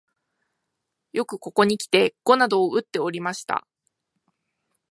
よくここにきて碁などをうっておりました